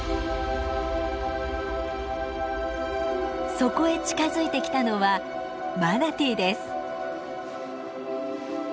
そこへ近づいてきたのはマナティーです。